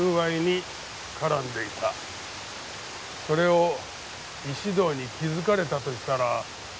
それを石堂に気づかれたとしたら。